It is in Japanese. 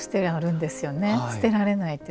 捨てられないって。